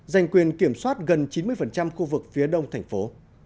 giành quyền kiểm soát gần chín mươi khu vực phía đông thành phố